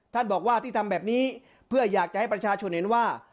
ท่านบอกว่าที่ทำแบบนี้เพื่ออยากจะให้ประชาชนเห็นว่า